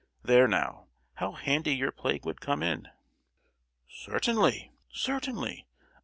There, now, how handy your play would come in!" "Certainly, certainly.